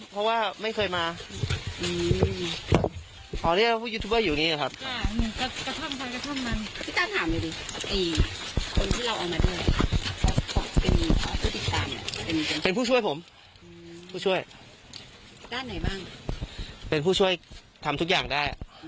เป็นผู้ช่วยผมผู้ช่วยท่านไหนบ้างเป็นผู้ช่วยทำทุกอย่างได้อ่ะ